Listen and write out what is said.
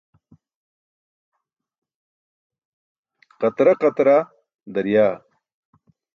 Qatra qatra daryaa.